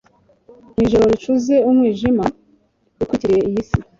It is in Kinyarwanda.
Mu ijoro ricuze umwijima utwikiriye iyi si "